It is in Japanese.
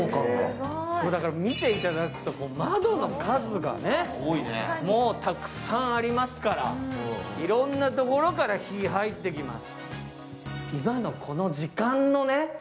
見ていただくと、窓の数がね、もうたくさんありますから、いろんなところから日が入ってきます。